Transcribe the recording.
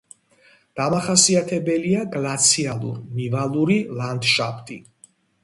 დამახასიათებელია გლაციალურ-ნივალური ლანდშაფტი.